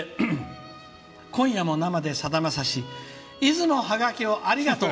「今夜も生でさだまさし出雲ハガキをありがとう！」。